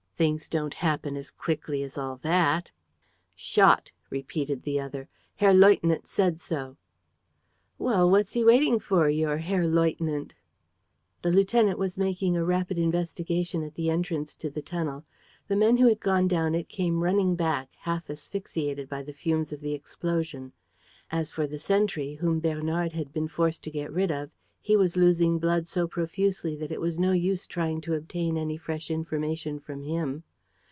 Things don't happen as quickly as all that." "Shot!" repeated the other. "Herr Leutnant said so." "Well, what's he waiting for, your Herr Leutnant?" The lieutenant was making a rapid investigation at the entrance to the tunnel. The men who had gone down it came running back, half asphyxiated by the fumes of the explosion. As for the sentry, whom Bernard had been forced to get rid of, he was losing blood so profusely that it was no use trying to obtain any fresh information from him.